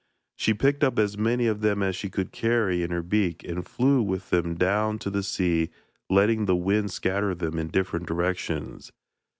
She picked up as many of them as she could carry in her beak and flew with them down to the sea, letting the wind scatter them in different directions.